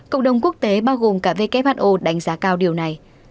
cộng đồng quốc tế bao gồm cả who đánh giá cao điều này